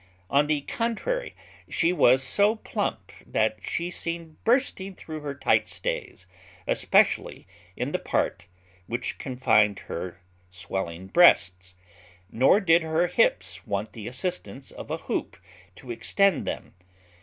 On the contrary, she was so plump that she seemed bursting through her tight stays, especially in the part which confined her swelling breasts. Nor did her hips want the assistance of a hoop to extend them.